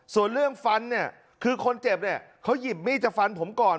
ส่วนเรื่องฟันเนี่ยคือคนเจ็บเนี่ยเขาหยิบมีดจะฟันผมก่อน